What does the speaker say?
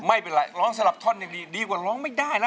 ไม่เป็นไรร้องสลับท่อนดีว่าร้องไม่ได้ล่ะ